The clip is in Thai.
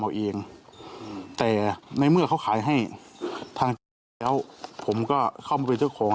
เอาเองแต่ในเมื่อเขาขายให้ทางแล้วผมก็เข้ามาไปซื้อของ